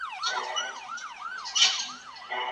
هلک په ډېر سرعت سره د انړۍ خواته وتښتېد.